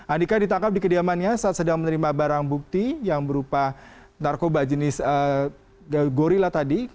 andika ditangkap di kediamannya saat sedang menerima barang bukti yang berupa narkoba jenis gorilla tadi